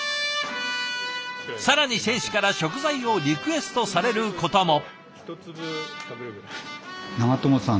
更に選手から食材をリクエストされることも。